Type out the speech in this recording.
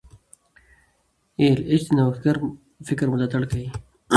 ای ایل ایچ د نوښتګر فکر ملاتړ کوي.